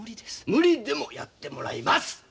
無理でもやってもらいます！